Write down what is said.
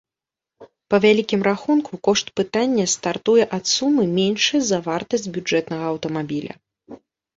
Па вялікім рахунку, кошт пытання стартуе ад сумы, меншай за вартасць бюджэтнага аўтамабіля.